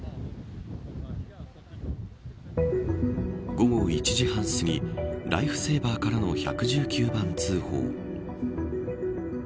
午後１時半すぎライフセーバーからの１１９番通報。